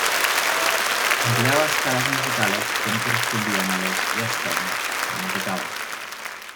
Empleaba escalas musicales que no correspondían a los "Western" cuando tocaba.